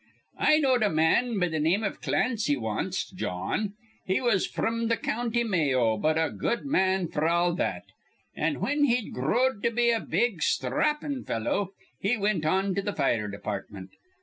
"I knowed a man be th' name iv Clancy wanst, Jawn. He was fr'm th' County May o, but a good man f'r all that; an', whin he'd growed to be a big, sthrappin' fellow, he wint on to th' fire departmint.